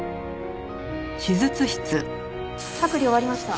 剥離終わりました。